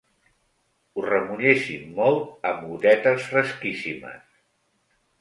Ho remulléssim molt amb gotetes fresquíssimes.